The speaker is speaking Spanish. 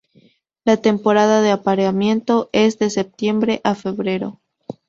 La temporada de apareamiento es de septiembre a febrero.